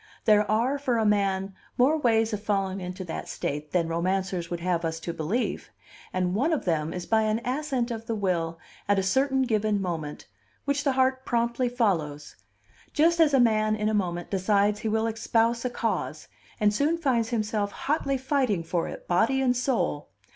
There are for a man more ways of falling into that state than romancers would have us to believe, and one of them is by an assent of the will at a certain given moment, which the heart promptly follows just as a man in a moment decides he will espouse a cause, and soon finds himself hotly fighting for it body and soul.